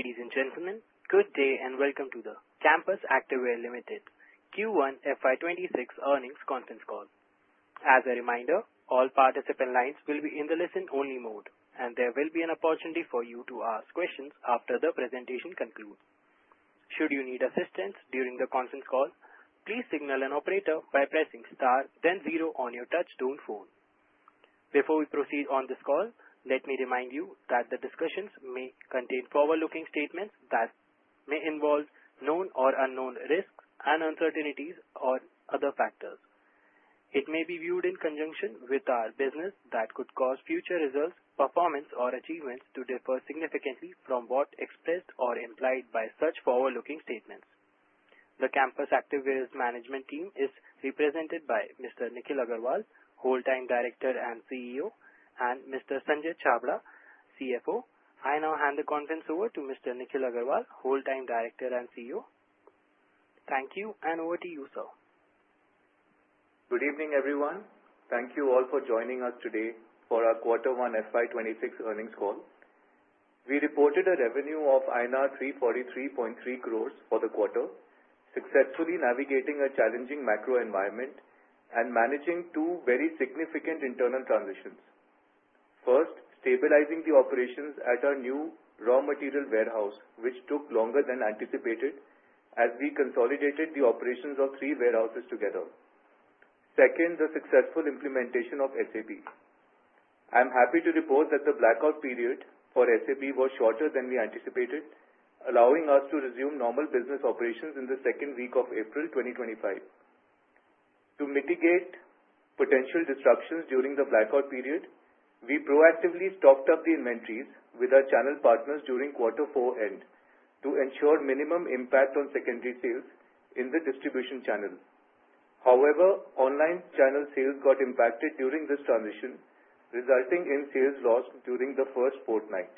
Ladies and gentlemen, good day and welcome to the Campus Activewear Limited Q1 FY 2026 Earnings Conference Call. As a reminder, all participant lines will be in the listen-only mode, and there will be an opportunity for you to ask questions after the presentation concludes. Should you need assistance during the conference call, please signal an operator by pressing * then 0 on your touch-tone phone. Before we proceed on this call, let me remind you that the discussions may contain forward-looking statements that may involve known or unknown risks, uncertainties, or other factors. It may be viewed in conjunction with other business that could cause future results, performance, or achievements to differ significantly from what is expressed or implied by such forward-looking statements. The Campus Activewear's management team is represented by Mr. Nikhil Aggarwal, Whole-Time Director and CEO, and Mr. Sanjay Chhabra, CFO. I now hand the conference over to Mr. Nikhil Aggarwal, Whole-Time Director and CEO. Thank you, and over to you, sir. Good evening, everyone. Thank you all for joining us today for our Q1 FY 2026 Earnings Call. We reported a revenue of INR 343.3 crore for the quarter, successfully navigating a challenging macro environment and managing two very significant internal transitions. First, stabilizing the operations at our new raw material warehouse, which took longer than anticipated, as we consolidated the operations of three warehouses together. Second, the successful implementation of SAP. I'm happy to report that the blackout period for SAP was shorter than we anticipated, allowing us to resume normal business operations in the second week of April 2025. To mitigate potential disruptions during the blackout period, we proactively stocked up the inventories with our channel partners during Q4 end to ensure minimum impact on secondary sales in the distribution channel. However, online channel sales got impacted during this transition, resulting in sales loss during the first fortnight.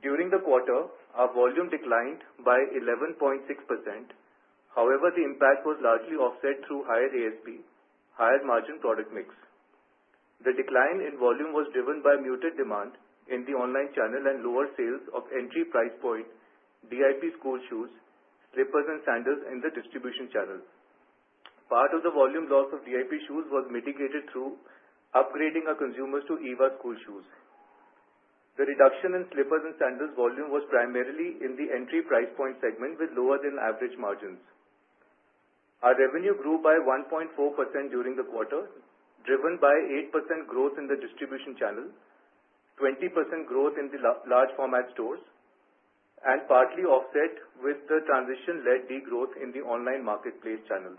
During the quarter, our volume declined by 11.6%. However, the impact was largely offset through higher ASP, higher margin product mix. The decline in volume was driven by muted demand in the online channel and lower sales of entry price point DIP school shoes, slippers, and sandals in the distribution channels. Part of the volume loss of DIP shoes was mitigated through upgrading our consumers to EVA school shoes. The reduction in slippers and sandals volume was primarily in the entry price point segment with lower than average margins. Our revenue grew by 1.4% during the quarter, driven by 8% growth in the distribution channel, 20% growth in the large format stores, and partly offset with the transition-led degrowth in the online marketplace channels.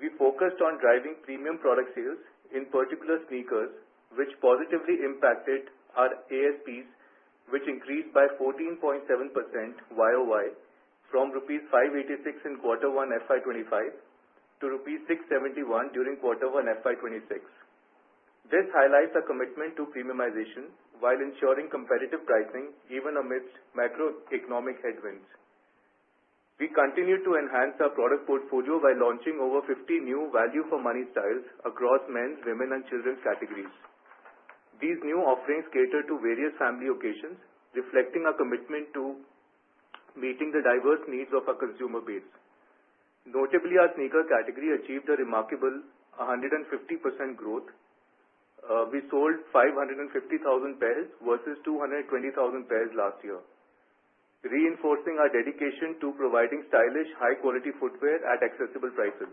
We focused on driving premium product sales, in particular sneakers, which positively impacted our ASPs, which increased by 14.7% YOY from 586 rupees in Q1 FY 2025 to INR 671 during Q1 FY 2026. This highlights our commitment to premiumization while ensuring competitive pricing even amidst macroeconomic headwinds. We continue to enhance our product portfolio by launching over 50 new value-for-money styles across men, women, and children's categories. These new offerings cater to various family occasions, reflecting our commitment to meeting the diverse needs of our consumer base. Notably, our sneaker category achieved a remarkable 150% growth. We sold 550,000 pairs versus 220,000 pairs last year, reinforcing our dedication to providing stylish, high-quality footwear at accessible prices.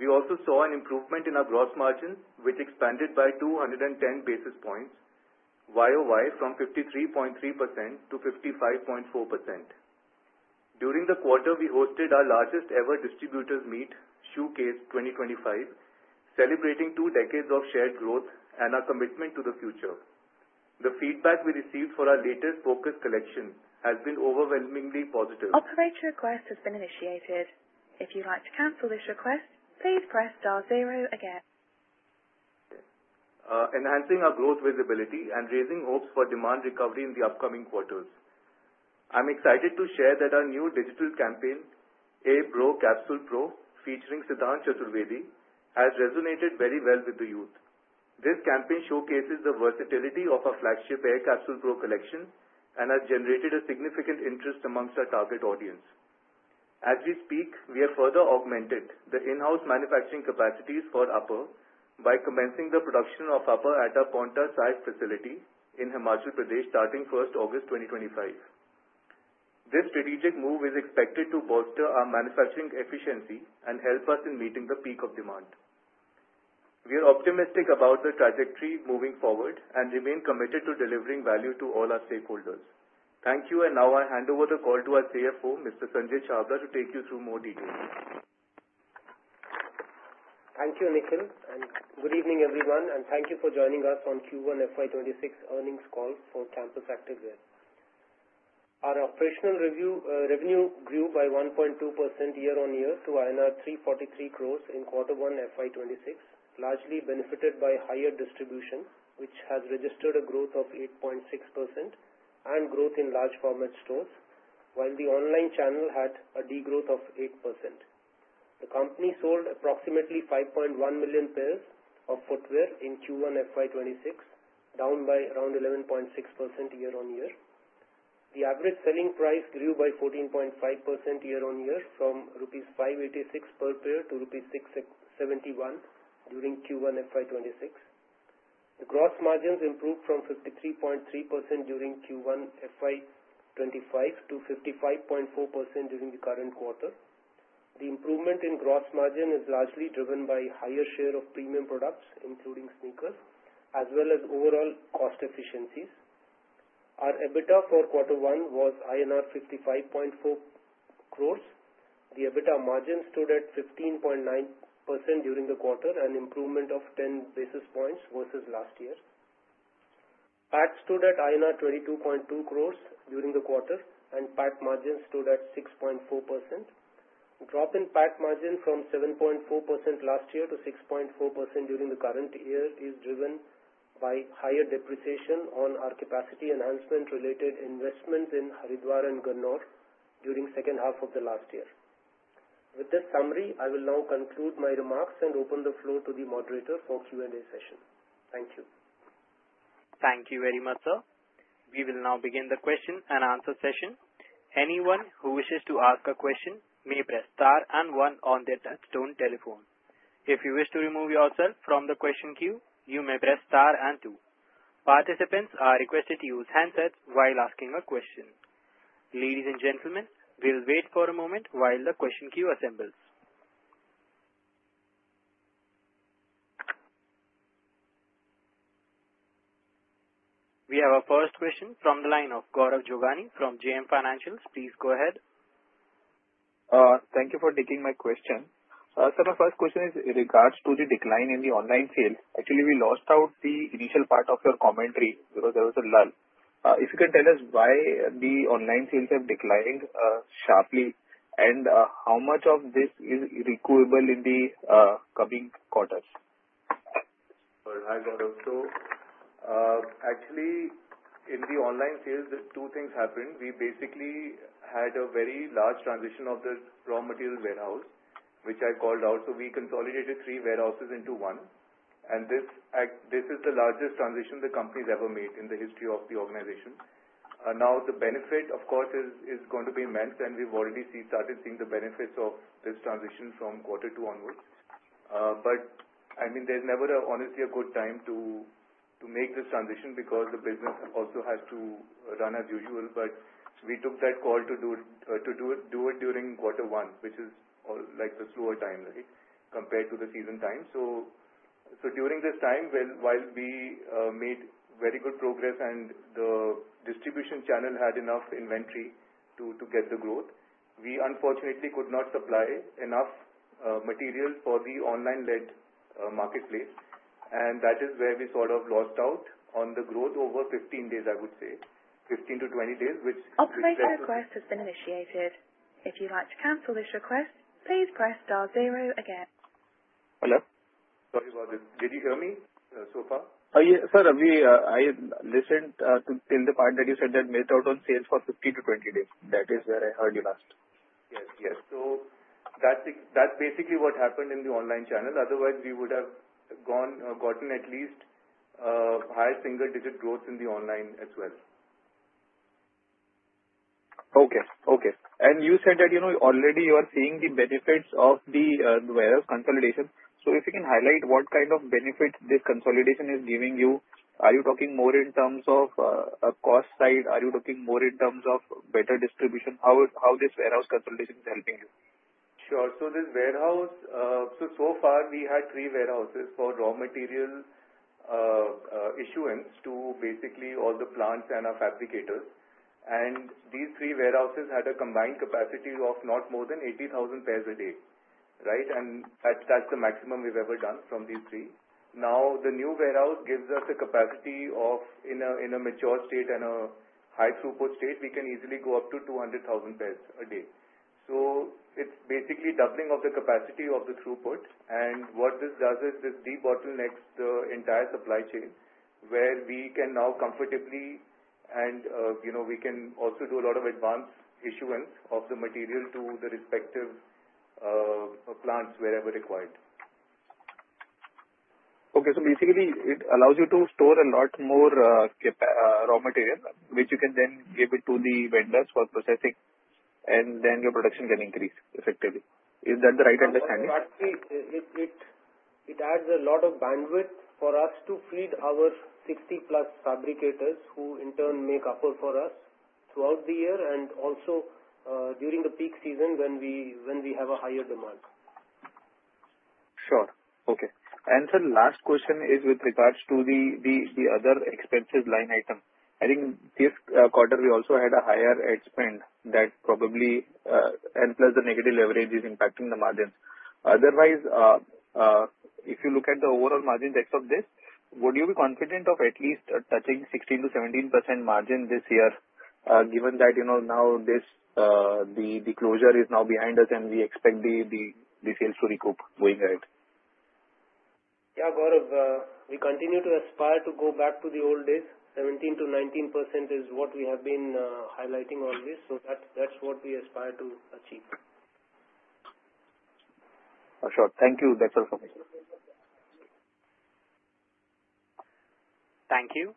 We also saw an improvement in our gross margins, which expanded by 210 basis points YOY from 53.3% to 55.4%. During the quarter, we hosted our largest ever distributors meet Shoecase 2025, celebrating two decades of shared growth and our commitment to the future. The feedback we received for our latest focus collection has been overwhelmingly positive. Operator request has been initiated. If you'd like to cancel this request, please press *0 again. Enhancing our growth visibility and raising hopes for demand recovery in the upcoming quarters, I'm excited to share that our new digital campaign, Air Capsule Pro, featuring Siddhant Chaturvedi, has resonated very well with the youth. This campaign showcases the versatility of our flagship Air Capsule Pro collection and has generated significant interest amongst our target audience. As we speak, we have further augmented the in-house manufacturing capacities for Upper by commencing the production of Upper at our Paonta Sahib facility in Himachal Pradesh, starting 1st August 2025. This strategic move is expected to bolster our manufacturing efficiency and help us in meeting the peak of demand. We are optimistic about the trajectory moving forward and remain committed to delivering value to all our stakeholders. Thank you, and now I hand over the call to our CFO, Mr. Sanjay Chhabra, to take you through more details. Thank you, Nikhil, and good evening, everyone, and thank you for joining us on Q1 FY 2026 Earnings Call for Campus Activewear Limited. Our operational revenue grew by 1.2% year-on-year to INR 343 crore in Q1 FY 2026, largely benefited by higher distributions, which has registered a growth of 8.6% and growth in large format stores, while the online channel had a degrowth of 8%. The company sold approximately 5.1 million pairs of footwear in Q1 FY 2026, down by around 11.6% year-on-year. The average selling price grew by 14.5% year-on-year from rupees 586 per pair to rupees 671 during Q1 F 20Y26. The gross margins improved from 53.3% during Q1 FY 2025 to 55.4% during the current quarter. The improvement in gross margin is largely driven by a higher share of premium products, including sneakers, as well as overall cost efficiencies. Our EBITDA for Q1 was INR 55.4 crore. The EBITDA margin stood at 15.9% during the quarter, an improvement of 10 basis points versus last year. PAT stood at INR 22.2 crore during the quarter, and PAT margin stood at 6.4%. The drop in PAT margin from 7.4% last year to 6.4% during the current year is driven by higher depreciation on our capacity enhancement-related investments in Haridwar and Ganaur during the second half of the last year. With this summary, I will now conclude my remarks and open the floor to the moderator for Q&A session. Thank you. Thank you very much, sir. We will now begin the question and answer session. Anyone who wishes to ask a question may press * and 1 on their touch-tone telephone. If you wish to remove yourself from the question queue, you may press * and 2. Participants are requested to use handsets while asking a question. Ladies and gentlemen, we'll wait for a moment while the question queue assembles. We have our first question from the line of Gaurav Jogani from JM Financial. Please go ahead. Thank you for taking my question. Sir, our first question is in regards to the decline in the online sales. Actually, we lost out the initial part of your commentary because there was a lull. If you can tell us why the online sales have declined sharply and how much of this is recoupable in the coming quarters? Hi Gaurav. In the online sales, two things happened. We basically had a very large transition of the raw material warehouse, which I called out. We consolidated three warehouses into one, and this is the largest transition the company's ever made in the history of the organization. The benefit, of course, is going to be immense, and we've already started seeing the benefits of this transition from quarter two onwards. There's never honestly a good time to make this transition because the business also has to run as usual. We took that call to do it during quarter one, which is the slower time compared to the season time. During this time, while we made very good progress and the distribution channel had enough inventory to get the growth, we unfortunately could not supply enough materials for the online-led marketplace, and that is where we sort of lost out on the growth over 15 days, I would say, 15 to 20 days. Operator request has been initiated. If you'd like to cancel this request, please press *0 again. Hello. Sorry about this. Did you hear me so far? I listened till the part that you said that meltdown on sales for 15 to 20 days. That is where I heard you last. Yes, yes. That's basically what happened in the online channel. Otherwise, we would have gotten at least high single-digit growth in the online as well. Okay, okay. You said that, you know, already you are seeing the benefits of the warehouse consolidation. If you can highlight what kind of benefit this consolidation is giving you, are you talking more in terms of a cost side? Are you talking more in terms of better distribution? How is this warehouse consolidation helping you? Sure. This warehouse, so far, we had three warehouses for raw material issuance to basically all the plants and our fabricators. These three warehouses had a combined capacity of not more than 80,000 pairs a day, right? That's the maximum we've ever done from these three. The new warehouse gives us a capacity of, in a mature state and a high throughput state, we can easily go up to 200,000 pairs a day. It's basically doubling of the capacity of the throughput. What this does is this de-bottlenecks the entire supply chain where we can now comfortably, and you know, we can also do a lot of advanced issuance of the material to the respective plants wherever required. Okay. It allows you to store a lot more raw material, which you can then give to the vendors for processing, and then your production can increase effectively. Is that the right understanding? Actually, it adds a lot of bandwidth for us to feed our 60+ fabricators who, in turn, make upper for us throughout the year and also during the peak season when we have a higher demand. Sure. Okay. Last question is with regards to the other expense line item. I think this quarter we also had a higher ad spend, and plus, the negative leverage is impacting the margins. Otherwise, if you look at the overall margin depth of this, would you be confident of at least touching 16%-17% margin this year, given that now the closure is behind us and we expect the sales to recoup going ahead? Yeah, Gaurav. We continue to aspire to go back to the old days. 17%-19% is what we have been highlighting already. That's what we aspire to achieve. Sure. Thank you. That's all for me. Thank you.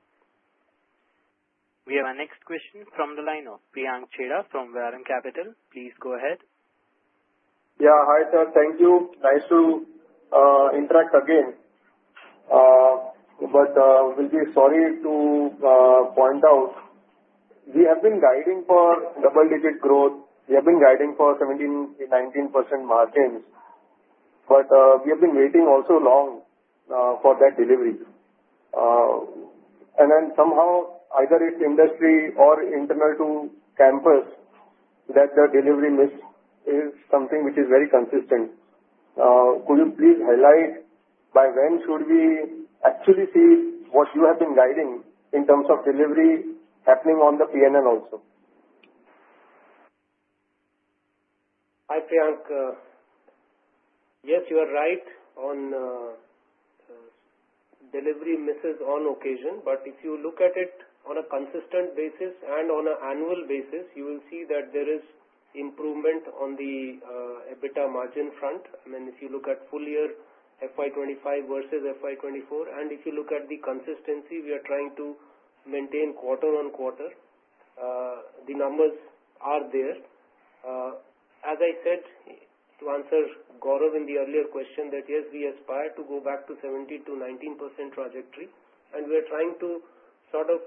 We have our next question from the line of Priyank Chheda from Vallum Capital. Please go ahead. Yeah. Hi, sir. Thank you. Nice to interact again. Sorry to point out we have been guiding for double-digit growth. We have been guiding for 17%-19% margins. We have been waiting also long for that delivery. Somehow, either it's industry or internal to Campus that the delivery miss is something which is very consistent. Could you please highlight by when should we actually see what you have been guiding in terms of delivery happening on the P&L also? Hi, Priyank. Yes, you are right on delivery misses on occasion. If you look at it on a consistent basis and on an annual basis, you will see that there is improvement on the EBITDA margin front. If you look at full-year FY 2025 versus FY 2024, and if you look at the consistency we are trying to maintain quarter on quarter, the numbers are there. As I said to answer Gaurav in the earlier question, yes, we aspire to go back to 17%-19% trajectory. We are trying to sort of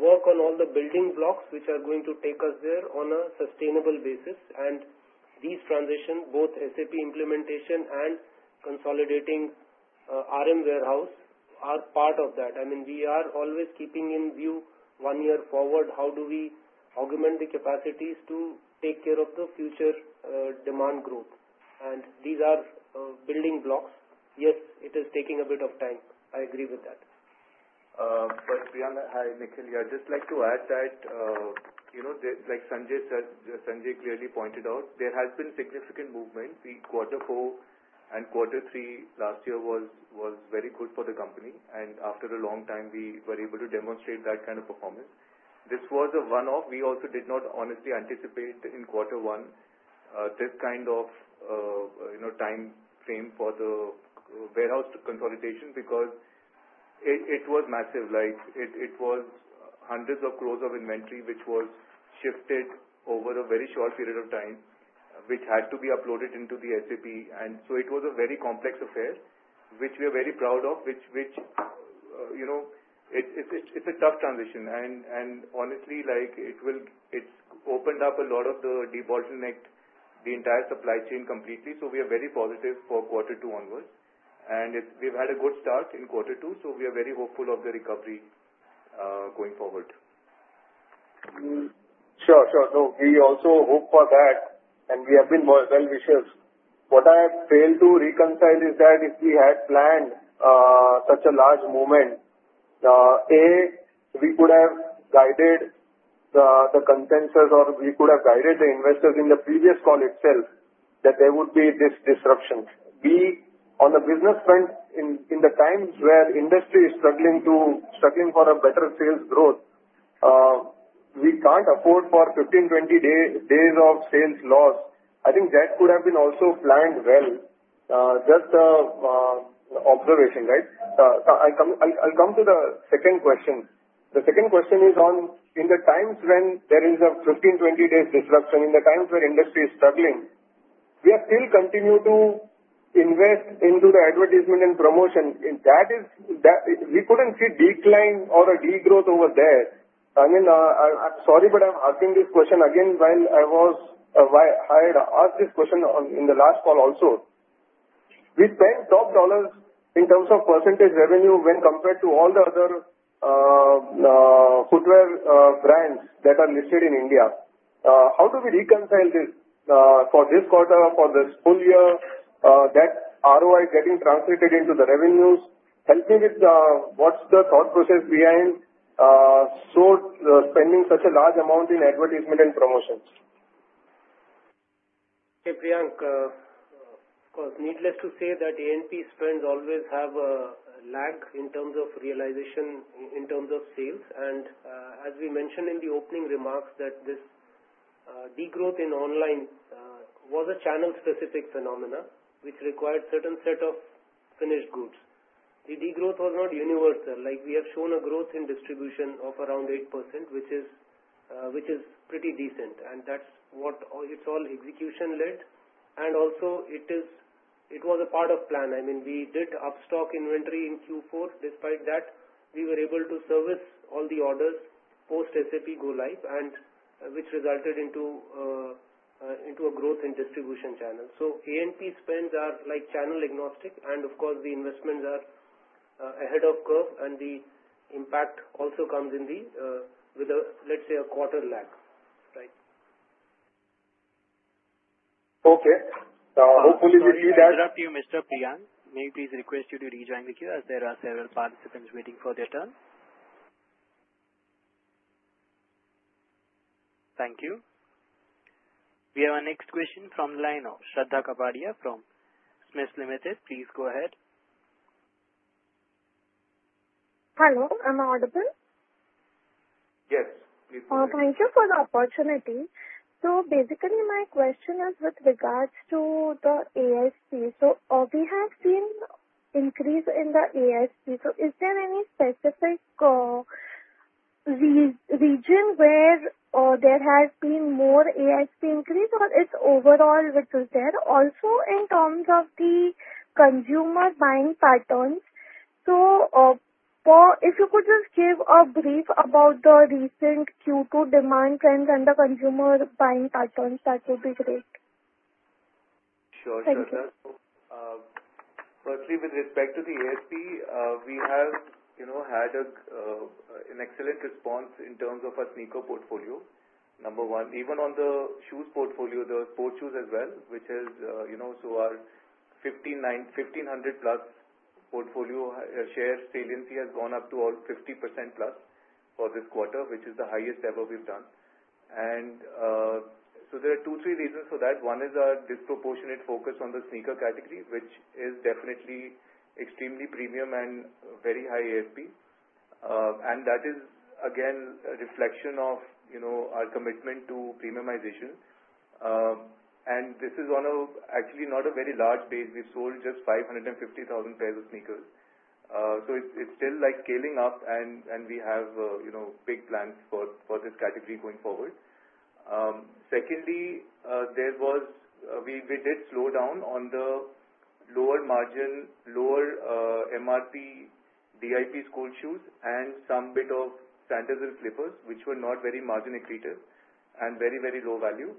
work on all the building blocks which are going to take us there on a sustainable basis. These transitions, both SAP implementation and consolidating RM warehouse, are part of that. We are always keeping in view one year forward. How do we augment the capacities to take care of the future demand growth? These are building blocks. Yes, it is taking a bit of time. I agree with that. Hi, Nikhil here. I'd just like to add that, like Sanjay said, Sanjay clearly pointed out there has been significant movement. The quarter four and quarter three last year were very good for the company, and after a long time, we were able to demonstrate that kind of performance. This was a one-off. We also did not honestly anticipate in quarter one this kind of time frame for the warehouse consolidation because it was massive. It was hundreds of crores of inventory which were shifted over a very short period of time, which had to be uploaded into the SAP. It was a very complex affair, which we are very proud of. It's a tough transition, and honestly, it has opened up a lot and de-bottlenecked the entire supply chain completely. We are very positive for quarter two onwards, and we've had a good start in quarter two. We are very hopeful of the recovery going forward. Sure. We also hope for that. We have been well-wishers. What I have failed to reconcile is that if we had planned such a large movement, we could have guided the contents, or we could have guided the investors in the previous call itself that there would be this disruption. On the business front, in the times where industry is struggling for a better sales growth, we can't afford for 15, 20 days of sales loss. I think that could have been also planned well. Just an observation, right? I'll come to the second question. The second question is on in the times when there is a 15, 20 days disruption, in the times where industry is struggling, we have still continued to invest into the advertisement and promotion. That is that we couldn't see a decline or a degrowth over there. I'm sorry, but I'm asking this question again while I had asked this question in the last call also. We spend top dollar in terms of percentage revenue when compared to all the other footwear brands that are listed in India. How do we reconcile this for this quarter, for the full-year that ROI is getting translated into the revenues? Help me with what's the thought process behind spending such a large amount in advertisement and promotions? Okay, Priyank. Of course, needless to say that A&P spends always have a lag in terms of realization, in terms of sales. As we mentioned in the opening remarks, this degrowth in online was a channel-specific phenomenon which required a certain set of finished goods. The degrowth was not universal. We have shown a growth in distribution of around 8%, which is pretty decent. That's what it's all execution-led. It was a part of plan. We did upstock inventory in Q4. Despite that, we were able to service all the orders post-SAP go live, which resulted into a growth in distribution channel. A&P spends are like channel agnostic. The investments are ahead of curve, and the impact also comes in the, with a, let's say, a quarter lag, right? Hopefully, we'll use that. I'll interrupt you, Mr. Priyank. May I please request you to rejoin the queue as there are several participants waiting for their turn? Thank you. We have our next question from the line of Shraddha Kapadia from SMIFS Limited. Please go ahead. Hello. Am I audible? Yes, please go ahead. Thank you for the opportunity. My question is with regards to the ASP. We have seen an increase in the ASP. Is there any specific region where there has been more ASP increase, or is it overall, which is there also in terms of the consumer buying patterns? If you could just give a brief about the recent Q2 demand trends and the consumer buying patterns, that would be great. Sure, sure, sir. Firstly, with respect to the ASP, we have had an excellent response in terms of our sneaker portfolio, number one. Even on the shoes portfolio, the sport shoes as well, which is, you know, so our 1,500+ portfolio share saliency has gone up to all 50%+ for this quarter, which is the highest ever we've done. There are two, three reasons for that. One is our disproportionate focus on the sneaker category, which is definitely extremely premium and very high ASP. That is, again, a reflection of our commitment to premiumization. This is on actually not a very large base. We've sold just 550,000 pairs of sneakers. It's still like scaling up, and we have big plans for this category going forward. Secondly, we did slow down on the lower margin, lower MRP DIP school shoes and some bit of sandals and slippers, which were not very margin accretive and very, very low value.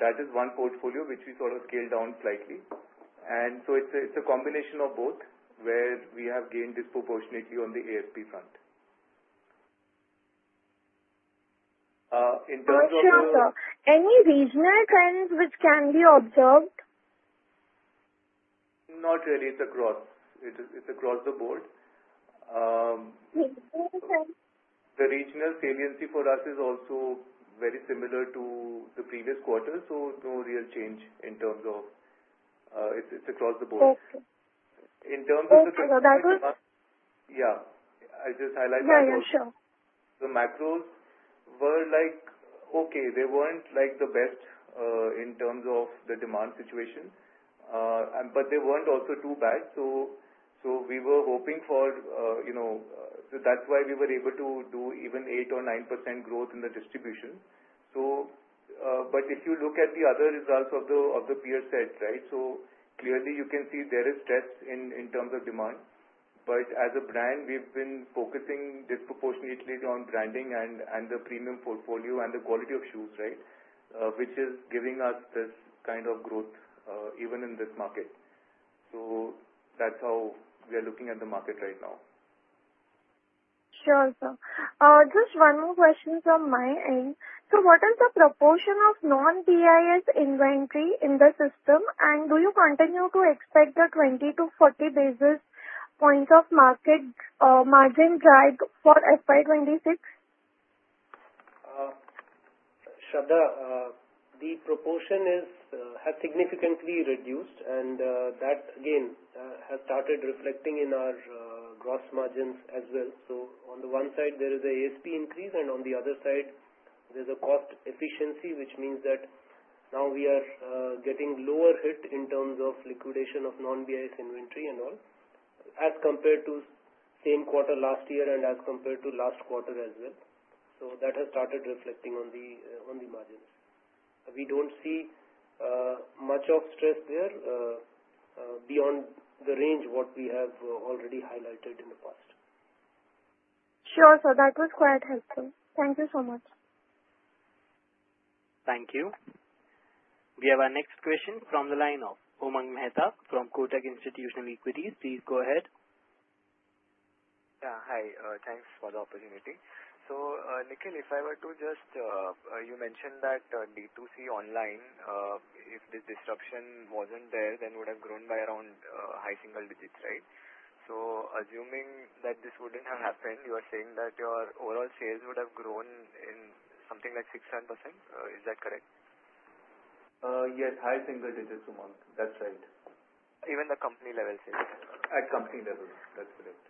That is one portfolio which we sort of scaled down slightly. It's a combination of both where we have gained disproportionately on the ASP front. Thank you, sir. Any regional trends which can be observed? Not really. It's across the board. The regional saliency for us is also very similar to the previous quarter. No real change in terms of it's across the board. Yeah. I just highlighted the macros were like, okay, they weren't like the best in terms of the demand situation, but they weren't also too bad. We were hoping for, you know, that's why we were able to do even 8 or 9% growth in the distribution. If you look at the other results of the peer set, right, clearly, you can see there is stress in terms of demand. As a brand, we've been focusing disproportionately on branding and the premium portfolio and the quality of shoes, which is giving us this kind of growth even in this market. That's how we are looking at the market right now. Sure, sir. Just one more question from my end. What is the proportion of non-BIS inventory in the system, and do you continue to expect the 20 to 40 basis points of market margin drag for FY 2026? Shraddha, the proportion has significantly reduced, and that, again, has started reflecting in our gross margins as well. On the one side, there is an ASP increase, and on the other side, there's a cost efficiency, which means that now we are getting lower hit in terms of liquidation of non-BIS inventory and all as compared to the same quarter last year and as compared to last quarter as well. That has started reflecting on the margins. We don't see much of stress there beyond the range what we have already highlighted in the past. Sure, sir. That was quite helpful. Thank you so much. Thank you. We have our next question from the line of Umang Mehta from Kotak Institutional Equities. Please go ahead. Yeah. Hi. Thanks for the opportunity. Nikhil, if I were to just, you mentioned that D2C online, if this disruption wasn't there, then it would have grown by around high single digits, right? Assuming that this wouldn't have happened, you are saying that your overall shares would have grown in something like 6%, 7%. Is that correct? Yes. High single digits, Umang. That's right. Even the company level sales? At company level, that's correct.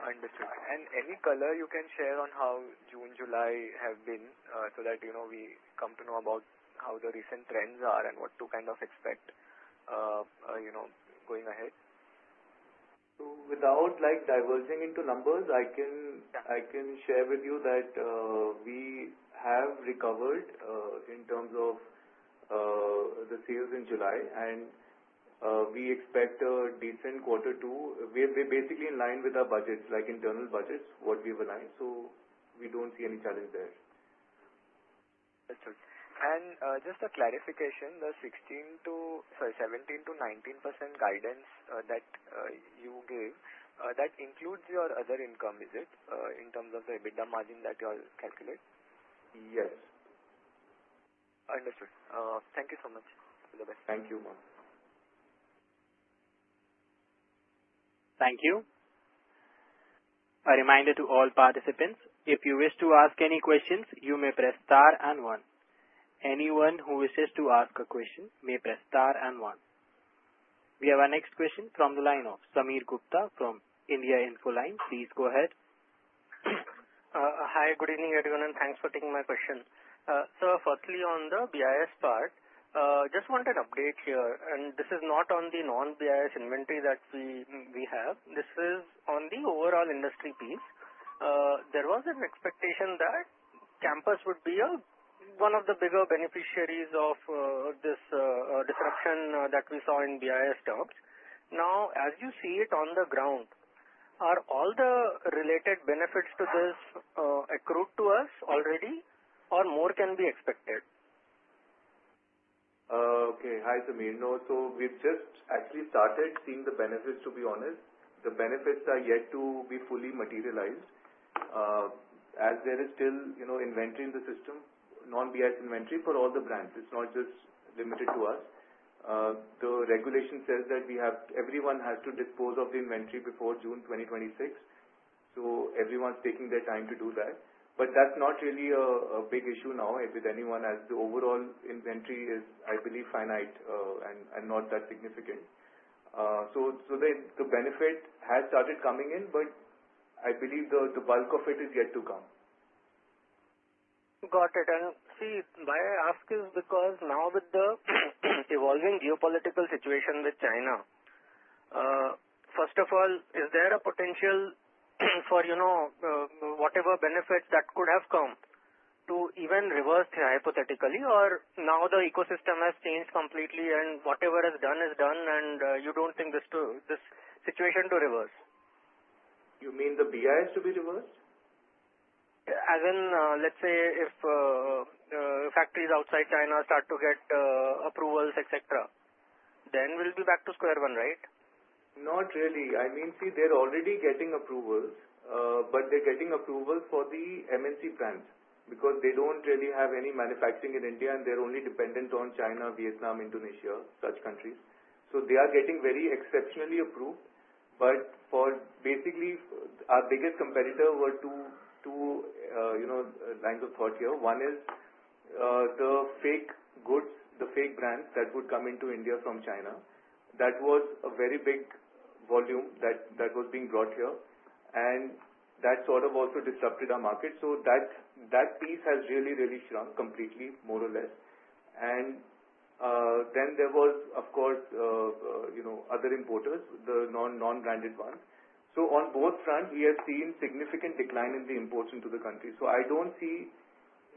Understood. Any color you can share on how June, July have been so that we come to know about how the recent trends are and what to kind of expect going ahead? Without diverging into numbers, I can share with you that we have recovered in terms of the sales in July, and we expect a decent quarter two. We're basically in line with our budgets, like internal budgets, what we've aligned. We don't see any challenge there. Understood. Just a clarification, the 17%-19% guidance that you gave, that includes your other income, is it, in terms of the EBITDA margin that you're calculating? Yes. Understood. Thank you so much. Thank you, Umang. Thank you. A reminder to all participants, if you wish to ask any questions, you may press * and 1. Anyone who wishes to ask a question may press * and 1. We have our next question from the line of Sameer Gupta from India Infoline. Please go ahead. Hi. Good evening, everyone, and thanks for taking my question. Sir, firstly, on the BIS part, I just want an update here. This is not on the non-BIS inventory that we have. This is on the overall industry piece. There was an expectation that Campus would be one of the bigger beneficiaries of this disruption that we saw in BIS jobs. Now, as you see it on the ground, are all the related benefits to this accrued to us already, or more can be expected? Hi, Sameer. We've just actually started seeing the benefits, to be honest. The benefits are yet to be fully materialized as there is still inventory in the system, non-BIS inventory for all the brands. It's not just limited to us. The regulation says that everyone has to dispose of the inventory before June 2026. Everyone's taking their time to do that. That's not really a big issue now with anyone as the overall inventory is, I believe, finite and not that significant. The benefit has started coming in, but I believe the bulk of it is yet to come. Got it. Why I ask is because now with the evolving geopolitical situation with China, first of all, is there a potential for, you know, whatever benefits that could have come to even reverse hypothetically, or now the ecosystem has changed completely and whatever is done is done, and you don't think this situation will reverse? You mean the BIS to be reversed? If factories outside China start to get approvals, etc., then we'll be back to square one, right? Not really. I mean, see, they're already getting approvals, but they're getting approvals for the MNC brands because they don't really have any manufacturing in India, and they're only dependent on China, Vietnam, Indonesia, such countries. They are getting very exceptionally approved. For basically, our biggest competitor were two lines of thought here. One is the fake goods, the fake brands that would come into India from China. That was a very big volume that was being brought here, and that sort of also disrupted our market. That piece has really, really shrunk completely, more or less. There was, of course, other importers, the non-branded ones. On both fronts, we have seen significant decline in the imports into the country. I don't see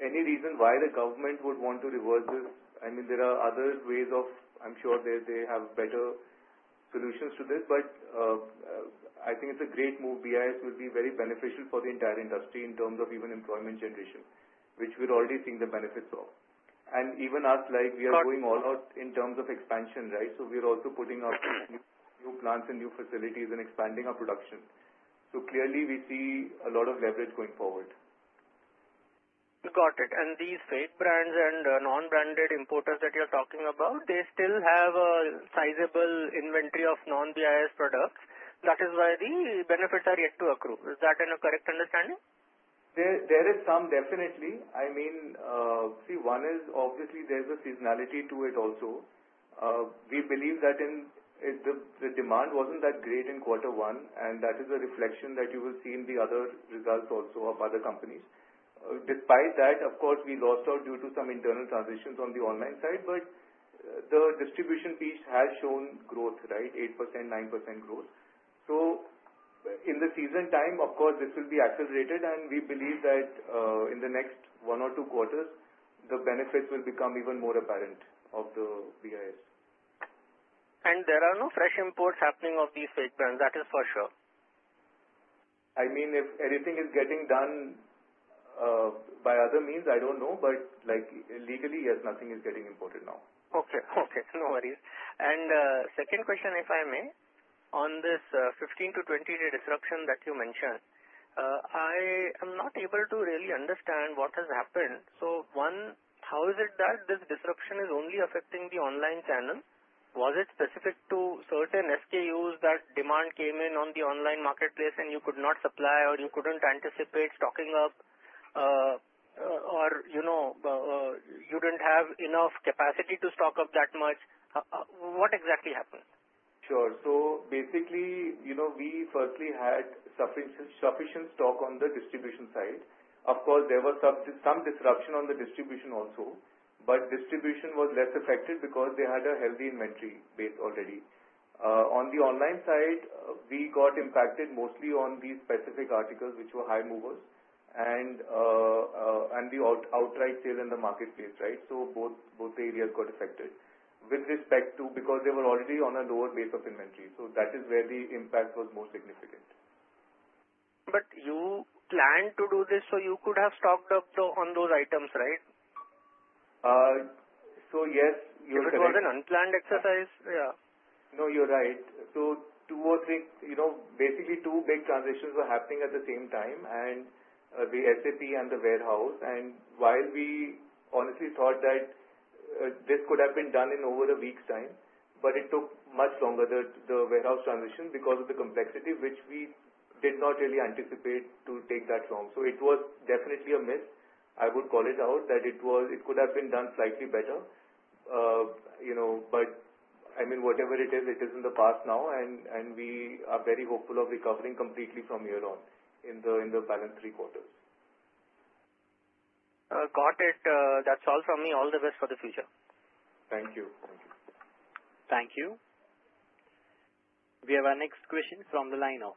any reason why the government would want to reverse this. There are other ways of, I'm sure they have better solutions to this, but I think it's a great move. BIS will be very beneficial for the entire industry in terms of even employment generation, which we're already seeing the benefits of. Even us, like we are going all out in terms of expansion, right? We're also putting up new plants and new facilities and expanding our production. Clearly, we see a lot of leverage going forward. Got it. These fake brands and non-branded importers that you're talking about, they still have a sizable inventory of non-BIS products. That is why the benefits are yet to accrue. Is that a correct understanding? There is some, definitely. I mean, see, one is obviously there's a seasonality to it also. We believe that the demand wasn't that great in quarter one, and that is a reflection that you will see in the other results also of other companies. Despite that, of course, we lost out due to some internal transitions on the online side, but the distribution piece has shown growth, right? 8%, 9% growth. In the season time, of course, this will be accelerated, and we believe that in the next one or two quarters, the benefits will become even more apparent of the BIS. There are no fresh imports happening of these fake brands. That is for sure. If anything is getting done by other means, I don't know. Legally, yes, nothing is getting imported now. Okay. No worries. Second question, if I may, on this 15 to 20-day disruption that you mentioned, I am not able to really understand what has happened. One, how is it that this disruption is only affecting the online channel? Was it specific to certain SKUs that demand came in on the online marketplace and you could not supply, or you couldn't anticipate stocking up, or you didn't have enough capacity to stock up that much? What exactly happened? Sure. Basically, we firstly had sufficient stock on the distribution side. Of course, there was some disruption on the distribution also, but distribution was less affected because they had a healthy inventory base already. On the online side, we got impacted mostly on these specific articles which were high movers and the outright sales in the marketplace, right? Both areas got affected with respect to because they were already on a lower base of inventory. That is where the impact was more significant. You planned to do this so you could have stocked up on those items, right? So, yes. It was an unplanned exercise, yeah. No, you're right. Two or three, you know, basically, two big transitions were happening at the same time, the SAP and the warehouse. While we honestly thought that this could have been done in over a week's time, it took much longer, the warehouse transition, because of the complexity, which we did not really anticipate to take that long. It was definitely a miss. I would call it out that it could have been done slightly better. Whatever it is, it is in the past now, and we are very hopeful of recovering completely from here on in the balanced three quarters. Got it. That's all from me. All the best for the future. Thank you. Thank you. Thank you. We have our next question from the line of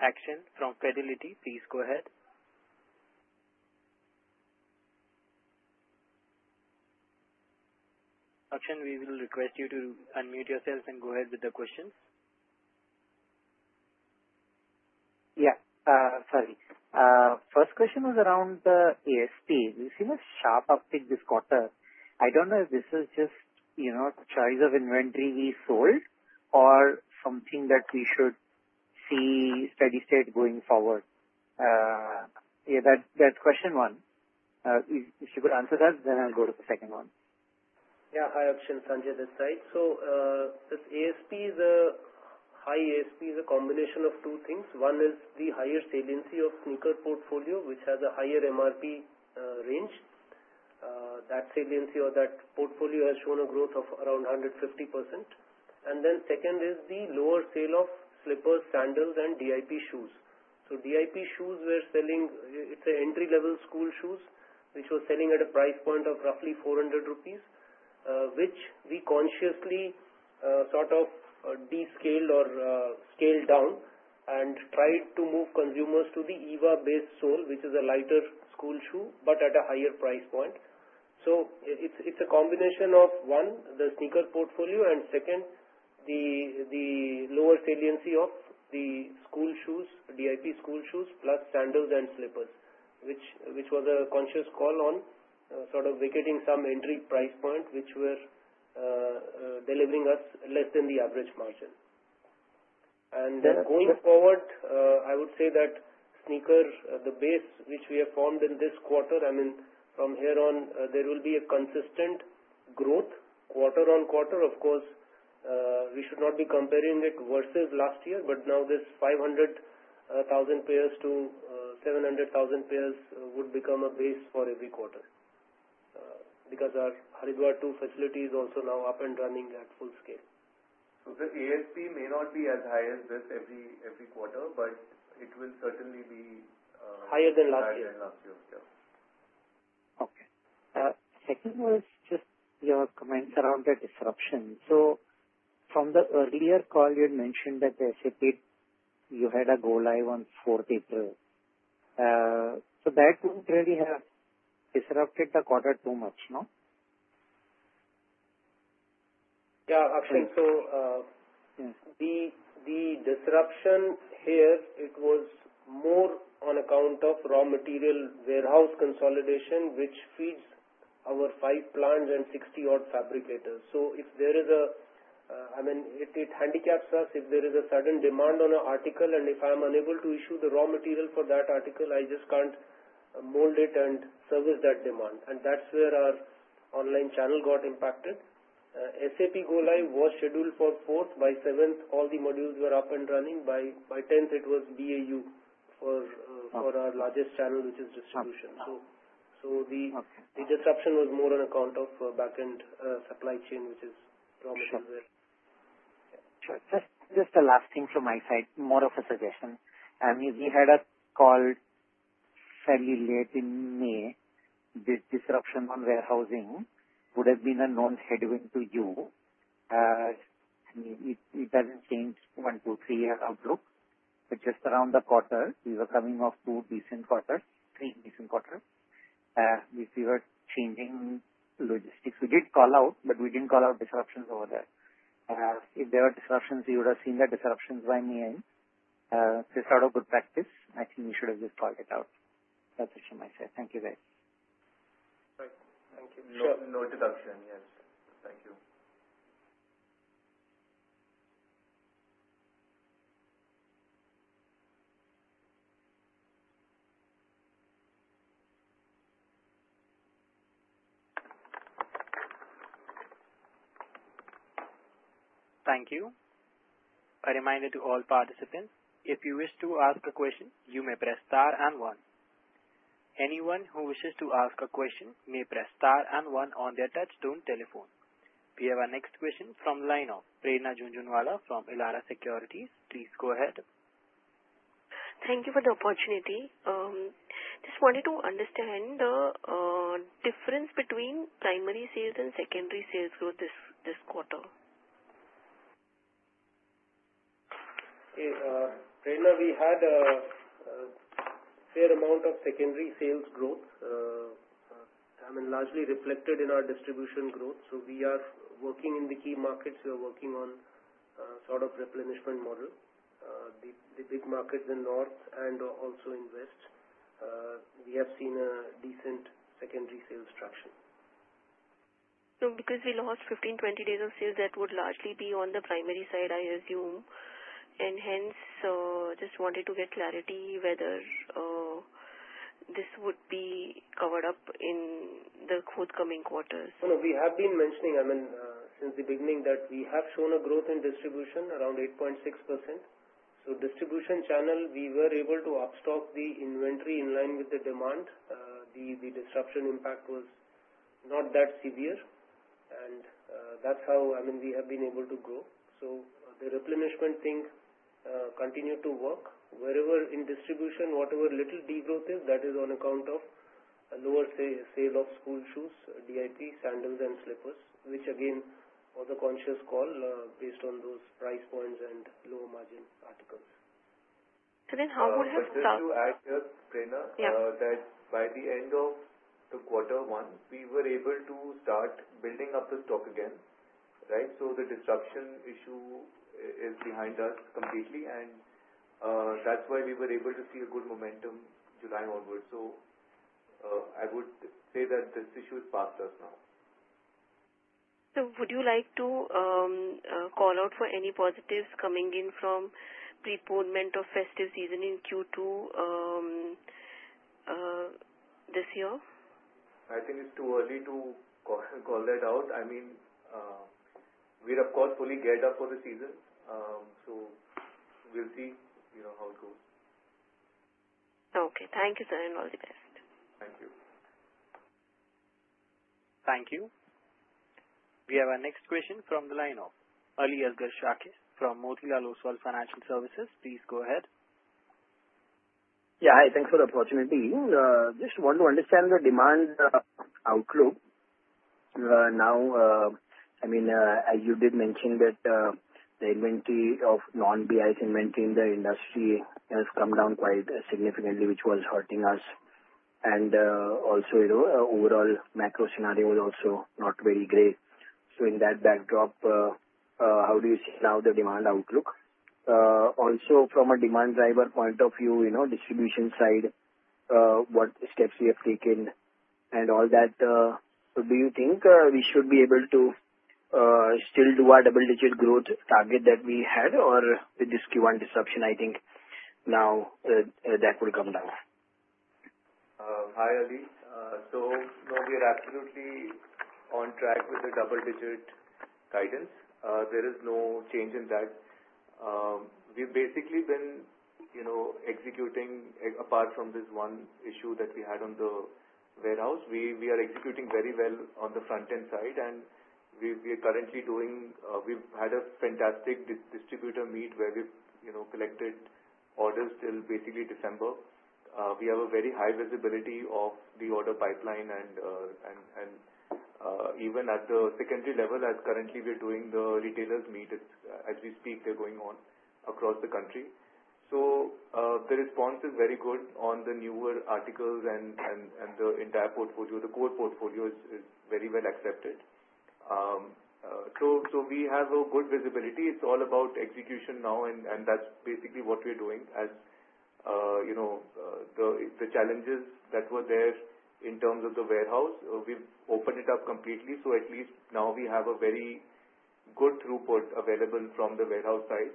Akshen from Fidelity. Please go ahead. Akshen, we will request you to unmute yourself and go ahead with the questions. Yeah. Sorry. First question was around the ASP. We've seen a sharp uptick this quarter. I don't know if this is just, you know, a rise of inventory we sold or something that we should see steady state going forward. That's question one. If you could answer that, then I'll go to the second one. Yeah. Hi, Akshen. Sanjay this side. ASP, the high ASP is a combination of two things. One is the higher saliency of sneaker portfolio, which has a higher MRP range. That saliency or that portfolio has shown a growth of around 150%. The second is the lower sale of slippers, sandals, and DIP school shoes. DIP school shoes were selling, it's an entry-level school shoe, which was selling at a price point of roughly 400 rupees, which we consciously sort of descaled or scaled down and tried to move consumers to the EVA-based sole, which is a lighter school shoe, but at a higher price point. It's a combination of, one, the sneaker portfolio, and second, the lower saliency of the school shoes, DIP school shoes, plus sandals and slippers, which was a conscious call on sort of vacating some entry price point, which were delivering us less than the average margin. Going forward, I would say that sneaker, the base which we have formed in this quarter, I mean, from here on, there will be a consistent growth quarter on quarter. Of course, we should not be comparing it versus last year, but now this 500,000-700,000 pairs would become a base for every quarter because our Haridwar 2 facility is also now up and running at full scale. The ASP may not be as high as this every quarter, but it will certainly be. Higher than last year. Higher than last year, yeah. Okay. Second was just your comments around the disruption. From the earlier call, you had mentioned that the SAP, you had a go live on 4th of April. That's not really disrupted the quarter too much, no? Yeah. The disruption here was more on account of raw material warehouse consolidation, which feeds our five plants and 60-odd fabricators. If there is a sudden demand on an article, and if I'm unable to issue the raw material for that article, I just can't mold it and service that demand. That's where our online channel got impacted. SAP go live was scheduled for 4th. By 7th, all the modules were up and running. By 10th, it was BAU for our largest channel, which is distribution. The disruption was more on account of backend supply chain, which is prominent there. Just a last thing from my side, more of a suggestion. We had a call fairly late in May. This disruption on warehousing would have been a non-headwind to you. It hasn't changed what we see in our outlook, but just around the quarter, we were coming off two decent quarters, three decent quarters. If we were changing logistics, we did call out, but we didn't call out disruptions over there. If there were disruptions, you would have seen the disruptions by May. It's out of good practice. I think we should have just called it out. That's what you might say. Thank you, guys. Great. Thank you. Sure. No disruption. Yes. Thank you. Thank you. A reminder to all participants, if you wish to ask a question, you may press * and 1. Anyone who wishes to ask a question may press * and 1 on their touchstone telephone. We have our next question from line of Prerna Jhunjhunwala from Elara Securities. Please go ahead. Thank you for the opportunity. I just wanted to understand the difference between primary sales and secondary sales growth this quarter. Prerna, we had a fair amount of secondary sales growth, largely reflected in our distribution growth. We are working in the key markets. We are working on a sort of replenishment model, the big markets in the north and also in the west. We have seen a decent secondary sales traction. Because we lost 15, 20 days of sales, that would largely be on the primary side, I assume. I just wanted to get clarity whether this would be covered up in the forthcoming quarters. We have been mentioning since the beginning that we have shown a growth in distribution around 8.6%. The distribution channel we were able to upstock the inventory in line with the demand. The disruption impact was not that severe. That's how we have been able to grow. The replenishment thing continued to work. Wherever in distribution, whatever little degrowth is, that is on account of a lower sale of school shoes, DIP, sandals, and slippers, which again was a conscious call based on those price points and low margin articles. How would you? Just to add here, Preena, by the end of the quarter one, we were able to start building up the stock again, right? The disruption issue is behind us completely. That's why we were able to see a good momentum July onwards. I would say that this issue is past us now. Would you like to call out for any positives coming in from preponement of festive season in Q2 this year? I think it's too early to call that out. We're, of course, fully geared up for the season. We'll see how it goes. Okay. Thank you, sir, and all the best. Thank you. Thank you. We have our next question from the line of Aliasgar Shakir from Motilal Oswal Financial Services. Please go ahead. Yeah. Hi. Thanks for the opportunity. Just want to understand the demand outlook. Now, I mean, as you did mention that the inventory of non-BIS inventory in the industry has come down quite significantly, which was hurting us. Also, you know, overall macro scenario was also not very great. In that backdrop, how do you see now the demand outlook? Also, from a demand driver point of view, you know, distribution side, what steps we have taken and all that, do you think we should be able to still do our double-digit growth target that we had, or with this Q1 disruption, I think now that would come down? Hi, Ali. No, we are absolutely on track with the double-digit guidance. There is no change in that. We've basically been executing apart from this one issue that we had on the warehouse. We are executing very well on the front-end side. We are currently doing, we've had a fantastic distributor meet where we've collected orders till December. We have a very high visibility of the order pipeline. Even at the secondary level, as currently we're doing the retailers' meet, as we speak, they're going on across the country. The response is very good on the newer articles and the entire portfolio. The core portfolio is very well accepted. We have a good visibility. It's all about execution now. That's basically what we're doing. As you know, the challenges that were there in terms of the warehouse, we've opened it up completely. At least now we have a very good throughput available from the warehouse side.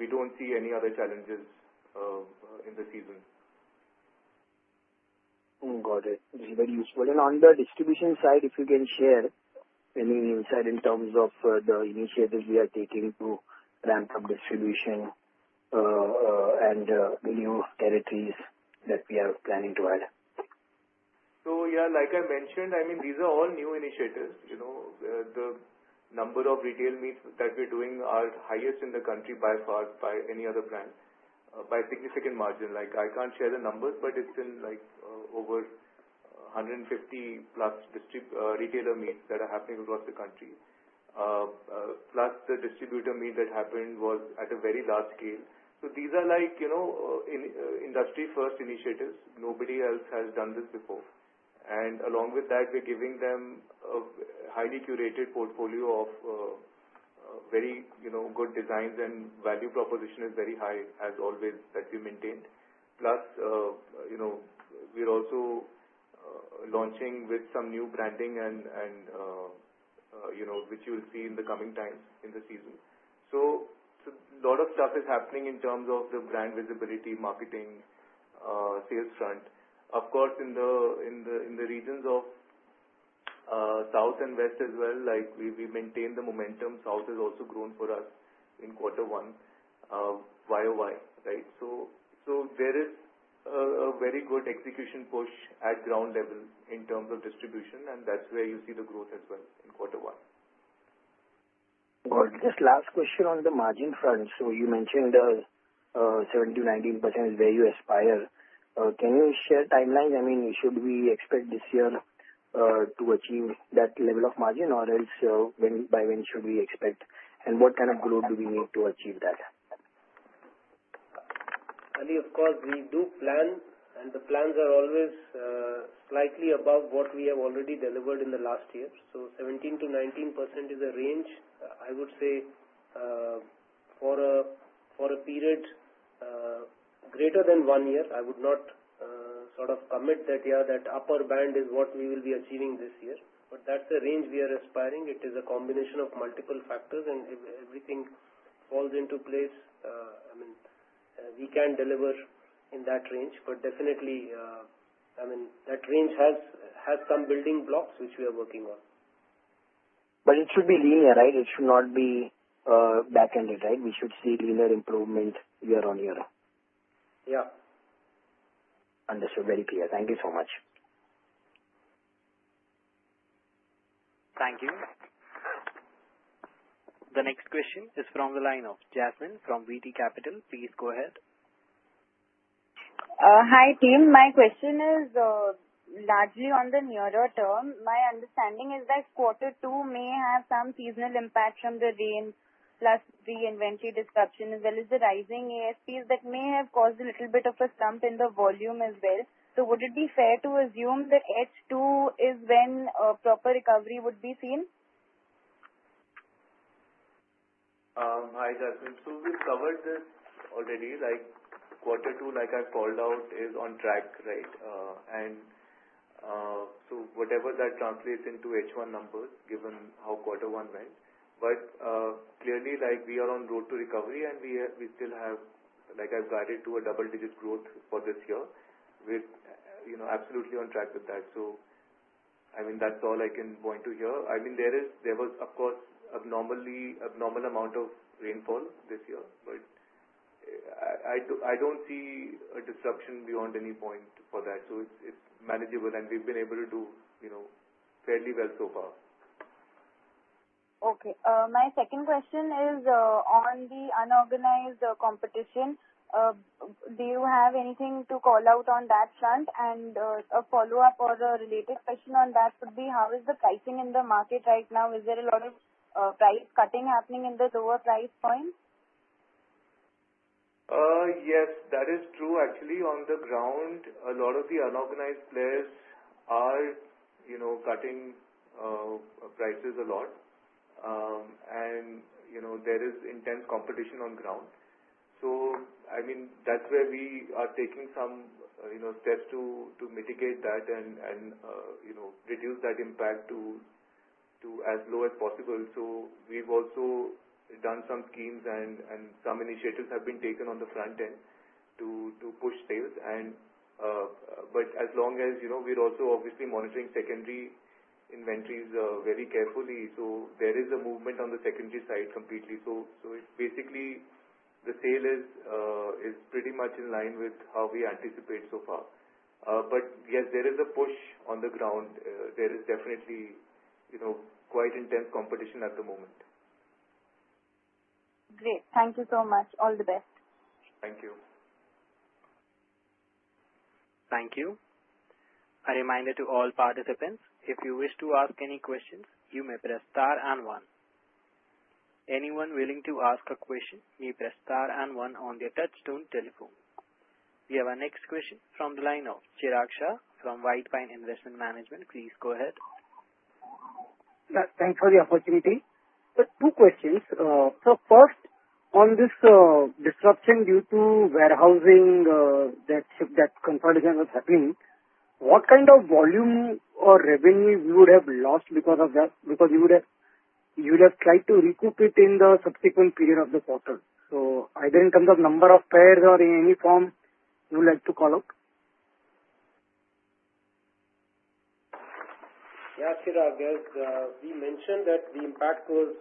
We don't see any other challenges in the season. Got it. This is very useful. If you can share any insight in terms of the initiatives we are taking to ramp up distribution and the new territories that we are planning to add. Yeah, like I mentioned, these are all new initiatives. The number of retail meets that we're doing are highest in the country by far by any other brand by significant margin. I can't share the numbers, but it's in over 150+ retailer meets that are happening across the country. Plus, the distributor meet that happened was at a very large scale. These are industry-first initiatives. Nobody else has done this before. Along with that, we're giving them a highly curated portfolio of very good designs, and value proposition is very high as always that we maintained. Plus, we're also launching with some new branding, which you will see in the coming times in the season. A lot of stuff is happening in terms of the brand visibility, marketing, sales front. Of course, in the regions of southern India and western India as well, we maintain the momentum. South has also grown for us in quarter one, YOY, right? There is a very good execution push at ground level in terms of distribution. That's where you see the growth as well in quarter one. Just last question on the margin front. You mentioned the 17%-19% is where you aspire. Can you share timelines? I mean, should we expect this year to achieve that level of margin, or else by when should we expect? What kind of growth do we need to achieve that? Ali, of course, we do plan, and the plans are always slightly above what we have already delivered in the last year. 17%-19% is a range, I would say, for a period greater than one year. I would not sort of omit that, yeah, that upper band is what we will be achieving this year. That's the range we are aspiring. It is a combination of multiple factors. If everything falls into place, we can deliver in that range. That range has some building blocks which we are working on. It should be linear, right? It should not be backended, right? We should see regular improvement year on year. Yeah. Understood. Very clear. Thank you so much. Thank you. The next question is from the line of Jasmine from VT Capital. Please go ahead. Hi, team. My question is largely on the nearer term. My understanding is that quarter two may have some seasonal impact from the rain, plus the inventory disruption as well as the rising ASPs that may have caused a little bit of a slump in the volume as well. Would it be fair to assume that H2 is when a proper recovery would be seen? Hi, Jasmine. We've covered this already. Quarter two, like I've called out, is on track, right? Whatever that translates into H1 numbers, given how quarter one went, clearly we are on road to recovery, and we still have, like I've guided, to a double-digit growth for this year. We're absolutely on track with that. That's all I can point to here. There was, of course, an abnormal amount of rainfall this year, but I don't see a disruption beyond any point for that. It's manageable, and we've been able to do fairly well so far. Okay. My second question is on the unorganized competition. Do you have anything to call out on that front? A follow-up or a related question on that would be how is the pricing in the market right now? Is there a lot of price cutting happening in the lower price point? Yes, that is true. Actually, on the ground, a lot of the unorganized players are cutting prices a lot, and there is intense competition on the ground. That's where we are taking some steps to mitigate that and reduce that impact to as low as possible. We've also done some schemes, and some initiatives have been taken on the front end to push sales. As long as we're also obviously monitoring secondary inventories very carefully, there is a movement on the secondary side completely. It's basically the sale is pretty much in line with how we anticipate so far. There is a push on the ground. There is definitely quite intense competition at the moment. Great. Thank you so much. All the best. Thank you. Thank you. A reminder to all participants, if you wish to ask any questions, you may press * and 1. Anyone willing to ask a question, you may press * and 1 on their touchstone telephone. We have our next question from the line of Chirag Shah from White Pine Investment Management. Please go ahead. Yes, thanks for the opportunity. Two questions. First, on this disruption due to warehousing that convergence was happening, what kind of volume or revenue would you have lost because of that? You would have tried to recoup it in the subsequent period of the quarter. Either in terms of number of pairs or in any form, you would like to call out? Yeah, Chirag, as we mentioned, the impact was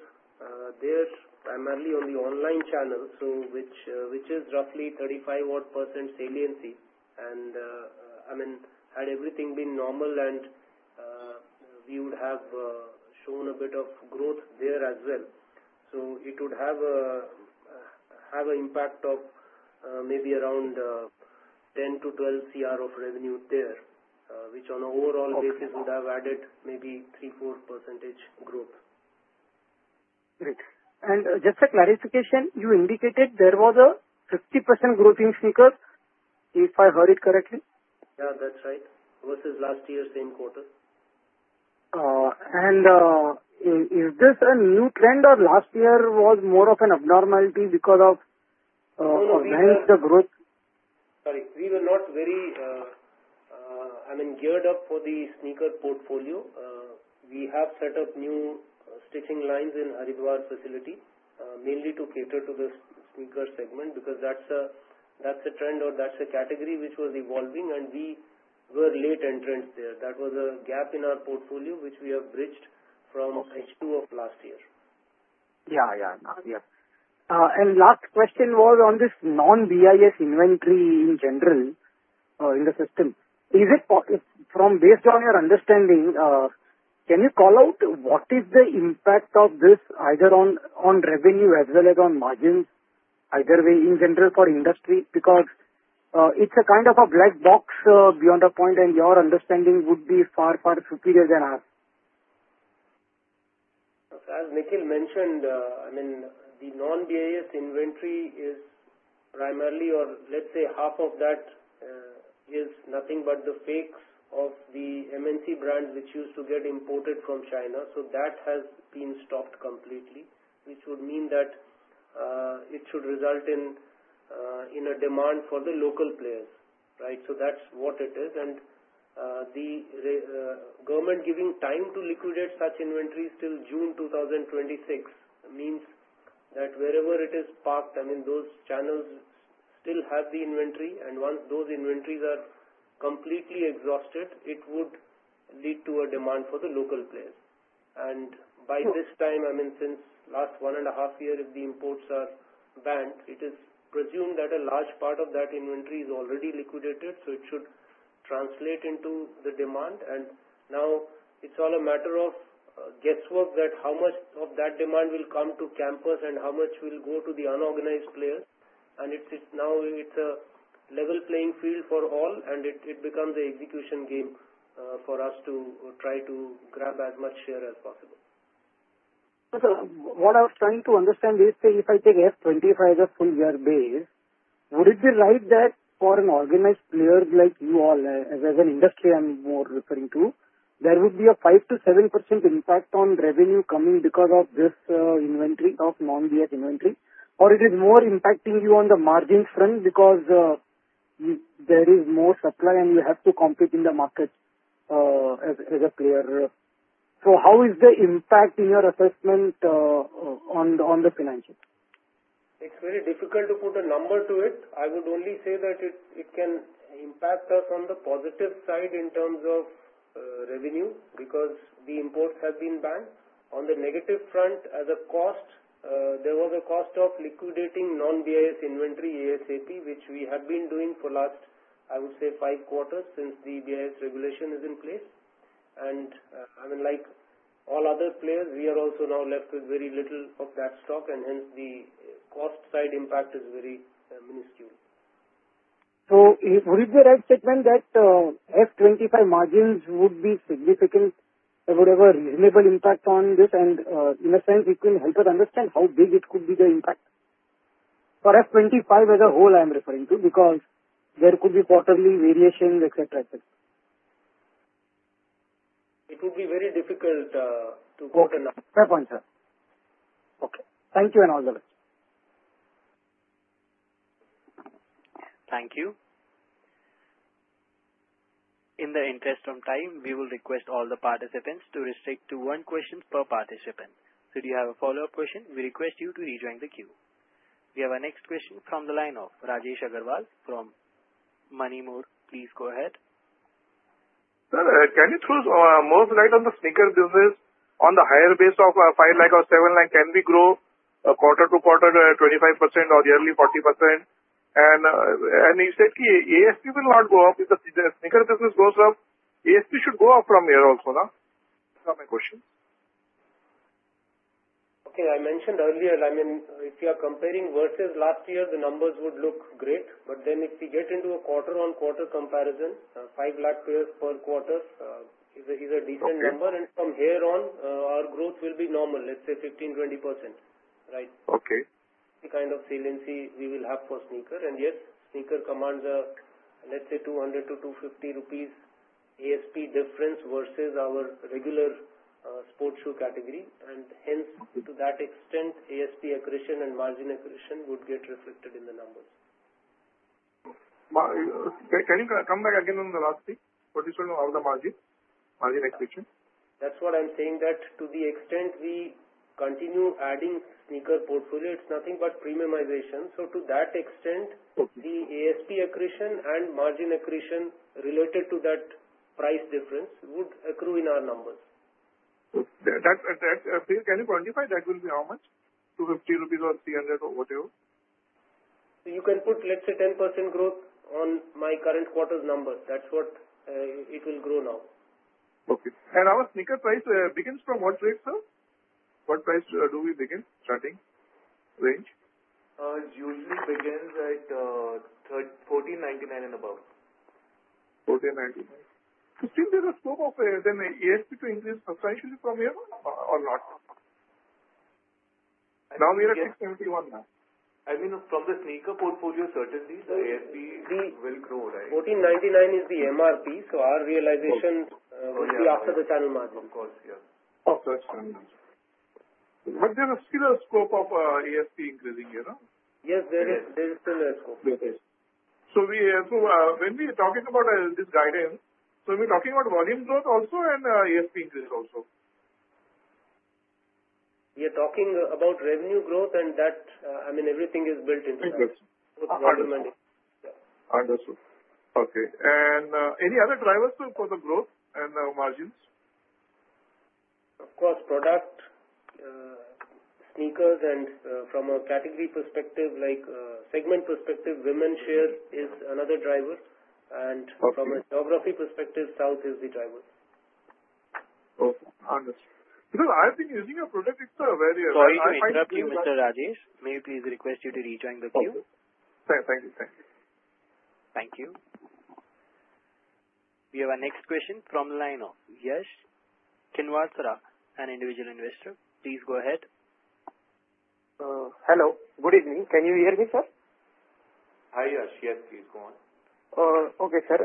there primarily on the online channel, which is roughly 35% saliency. I mean, had everything been normal, we would have shown a bit of growth there as well. It would have an impact of maybe around 100 million-120 million of revenue there, which on an overall basis would have added maybe 3%-4% growth. Great. Just a clarification, you indicated there was a 50% growth in sneakers, if I heard it correctly. Yeah, that's right, versus last year's same quarter. Is this a new trend, or was last year more of an abnormality because of the growth? Sorry. We were not very, I mean, geared up for the sneaker portfolio. We have set up new stitching lines in the Haridwar facility, mainly to cater to the sneaker segment because that's a trend or that's a category which was evolving, and we were late entrants there. That was a gap in our portfolio, which we have bridged from H2 of last year. Yeah. Last question was on this non-BIS inventory in general, in the system. Is it from based on your understanding, can you call out what is the impact of this either on revenue as well as on margins, either way in general for industry? Because it's a kind of a black box beyond the point, and your understanding would be far far superior than ours. As Nikhil mentioned, the non-BIS inventory is primarily, or let's say half of that is nothing but the fakes of the MNC brands which used to get imported from China. That has been stopped completely, which would mean that it should result in a demand for the local players, right? That's what it is. The government giving time to liquidate such inventories till June 2026 means that wherever it is parked, those channels still have the inventory. Once those inventories are completely exhausted, it would lead to a demand for the local players. By this time, since last one and a half year, if the imports are banned, it is presumed that a large part of that inventory is already liquidated. It should translate into the demand. Now it's all a matter of guesswork that how much of that demand will come to Campus and how much will go to the unorganized players. It's now a level playing field for all, and it becomes an execution game for us to try to grab as much share as possible. What I was trying to understand is, if I take FY 2020, if I had a full-year base, would it be right that for an organized player like you all, as an industry I'm more referring to, there would be a 5%-7% impact on revenue coming because of this inventory of non-BIS inventory? Is it more impacting you on the margins front because there is more supply and you have to compete in the market as a player? How is the impact in your assessment on the financials? It's very difficult to put a number to it. I would only say that it can impact us on the positive side in terms of revenue because the imports have been banned. On the negative front, as a cost, there was a cost of liquidating non-BIS inventory ASAP, which we have been doing for the last, I would say, five quarters since the BIS regulation is in place. Like all other players, we are also now left with very little of that stock, and hence the cost side impact is very minuscule. Would it be right to admit that F25 margins would be significant or whatever reasonable impact on this? In a sense, it will help us understand how big it could be the impact for F25 as a whole I'm referring to because there could be possibly variations, etc., etc. It would be very difficult to open up. Good enough. Fair point, sir. Okay, thank you and all the best. Thank you. In the interest of time, we will request all the participants to restrict to one question per participant. If you have a follow-up question, we request you to rejoin the queue. We have our next question from the line of Rajesh Agarwal from Moneyore. Please go ahead. Sir, can you throw more light on the sneaker business on the higher base of 500,000 or 700,000? Can we grow quarter to quarter 25% or yearly 40%? You said the ASP will not go up. If the sneaker business goes up, ASP should go up from here also, no? That's my question. Okay. I mentioned earlier, I mean, if you are comparing versus last year, the numbers would look great. If you get into a quarter-on-quarter comparison, 500,000 pairs per quarter is a decent number. From here on, our growth will be normal, let's say 15%, 20%, right? Okay. The kind of saliency we will have for sneakers. Yes, sneakers command a 200-250 rupees ASP difference versus our regular sports shoe category. To that extent, ASP accretion and margin accretion would get reflected in the numbers. Can you come back again on the last thing? What do you feel about the margin accretion? That's what I'm saying, that to the extent we continue adding sneaker portfolio, it's nothing but premiumization. To that extent, the ASP accretion and margin accretion related to that price difference would accrue in our numbers. Please, can you quantify that? Will it be how much, INR 250 or INR 300 or whatever? You can put, let's say, 10% growth on my current quarter's numbers. That's what it will grow now. Okay. Our sneaker price begins from what rate, sir? What price do we begin starting range? It usually begins at 14.99 and above. Do you think there's a scope of the ASP to increase precisely from here on or not? Now we're at INR 6.71 now. I mean, from the sneaker portfolio, certainly, the ASP will grow, right? 14.99 is the MRP. Our realization would be after the channel margin. Of course, yeah. Of course, there is still a scope of ASP increasing, you know? Yes, there is still a scope with it. When we are talking about this guidance, we're talking about volume growth also and ASP increase also? We are talking about revenue growth, and that, I mean, everything is built into it. Understood. Okay. Any other drivers for the growth and the margins? Of course, product, sneakers, and from a category perspective, like segment perspective, women's share is another driver. From a geography perspective, south is the driver. Understood. Sir, I've been using your product. It's very helpful. If you have issues, Mr. Rajesh, maybe please request you to rejoin the queue. Okay, thank you. Thank you. We have our next question from the line of Yash Kansara, an individual investor. Please go ahead. Hello. Good evening. Can you hear me, sir? Hi, Yash. Yes, we're going. Okay, sir.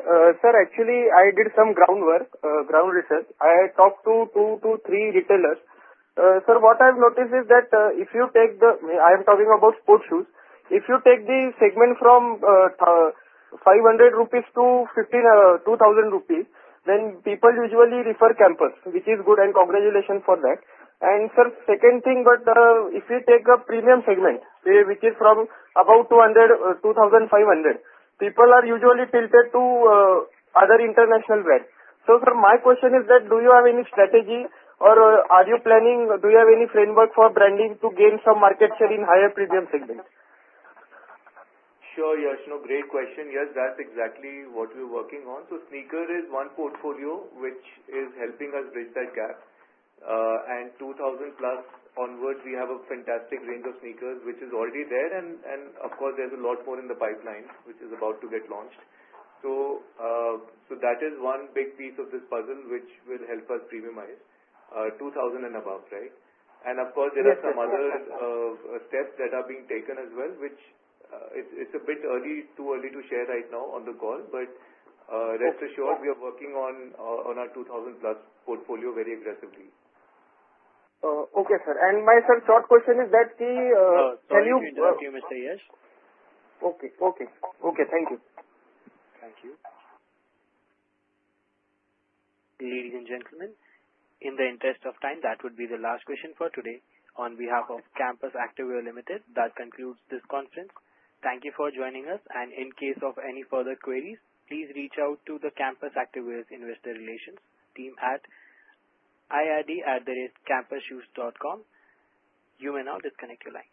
Sir, actually, I did some groundwork, ground research. I talked to two to three retailers. Sir, what I've noticed is that if you take the, I am talking about sports shoes, if you take the segment from 500-2,000 rupees, then people usually refer Campus, which is good, and congratulations for that. Sir, second thing, if you take the premium segment, which is from about 2,000 to 2,500, people are usually tilted to other international brands. Sir, my question is that do you have any strategy or are you planning, do you have any framework for branding to gain some market share in higher premium segment? Sure, Yash. Great question. Yes, that's exactly what we're working on. Sneaker is one portfolio which is helping us bridge that gap. 2,000 plus onwards, we have a fantastic range of sneakers, which is already there. There's a lot more in the pipeline, which is about to get launched. That is one big piece of this puzzle, which will help us premiumize, 2,000 and above, right? There are some other steps that are being taken as well, which it's a bit too early to share right now on the call. Rest assured, we are working on our 2,000+ portfolio very aggressively. Okay, sir. My short question is that the. Can you? Thank you, Mr. Yash. Okay. Thank you. Thank you. Ladies and gentlemen, in the interest of time, that would be the last question for today. On behalf of Campus Activewear Limited, that concludes this conference. Thank you for joining us. In case of any further queries, please reach out to the Campus Activewear Investor Relations team at ird@campushoes.com. You may now disconnect your line.